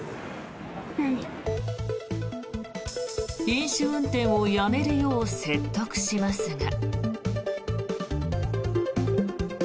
飲酒運転をやめるよう説得しますが。